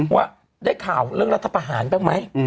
ว่าได้ข่าวเรื่องรัฐประหารบ้างไหม